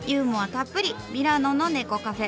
たっぷりミラノの猫カフェ。